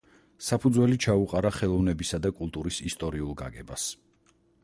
საფუძველი ჩაუყარა ხელოვნებისა და კულტურის ისტორიულ გაგებას.